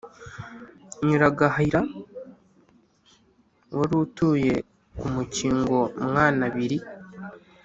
Nyiragahira wari utuye ku Mukingo Mwanabiri